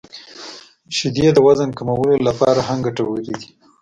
• شیدې د وزن کمولو لپاره هم ګټورې دي.